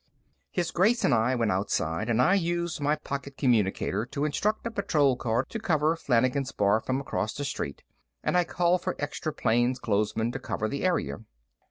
His Grace and I went outside, and I used my pocket communicator to instruct a patrol car to cover Flanagan's Bar from across the street, and I called for extra plainclothesmen to cover the area.